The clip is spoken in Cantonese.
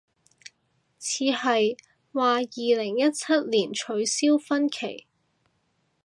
似係，話二零一七年取消婚期